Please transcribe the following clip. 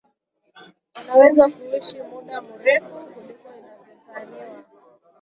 wanaweza kuishi muda mrefu kuliko inavyozaniwa